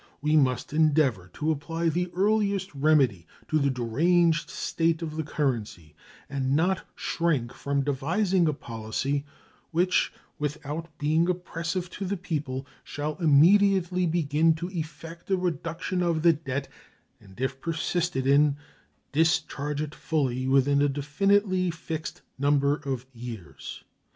We must endeavor to apply the earliest remedy to the deranged state of the currency, and not shrink from devising a policy which, with out being oppressive to the people, shall immediately begin to effect a reduction of the debt, and, if persisted in, discharge it fully within a definitely fixed number of years.